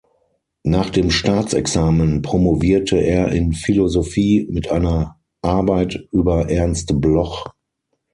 Nach dem Staatsexamen promovierte er in Philosophie mit einer Arbeit über Ernst Bloch.